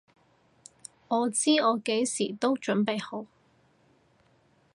我知我幾時都準備好！